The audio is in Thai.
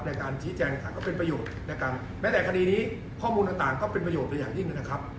ในการชี้แจก็เป็นประโยชน์ในการไม่แต่คดีนี้ข้อมูลต่างด้วยอย่างยิ่งล่ะครับ